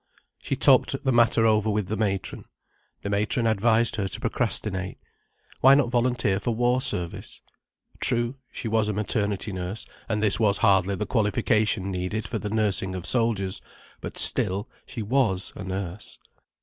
She talked the matter over with the matron. The matron advised her to procrastinate. Why not volunteer for war service? True, she was a maternity nurse, and this was hardly the qualification needed for the nursing of soldiers. But still, she was a nurse.